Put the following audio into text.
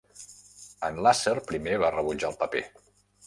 En Lasser primer va rebutjar el paper.